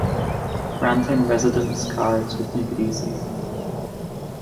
Granting residence cards would make it easy.